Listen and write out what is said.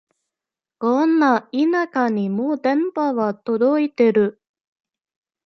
こんな田舎にも電波は届いてる